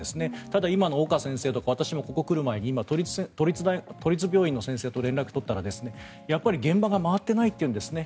ただ、今の岡先生とか私もここに来る前に都立病院の先生と連絡を取ったら、やっぱり現場が回っていないというんですね。